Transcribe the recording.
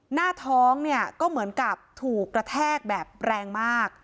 หน้าท้องเนี่ยก็เหมือนกับถูกกระแทกแบบแรงมาก